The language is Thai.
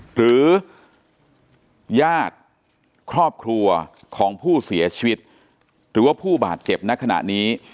หรือญาติครอบครัวของผู้เสียชีวิตหรือว่าผู้บาดเจ็บณขณะนี้